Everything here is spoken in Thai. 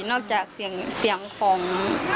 นอกจากเสียงของ